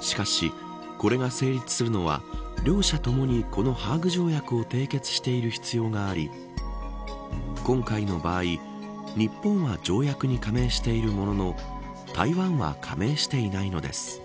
しかし、これが成立するのは両者共にこのハーグ条約を締結している必要があり今回の場合日本は条約に加盟しているものの台湾は加盟していないのです。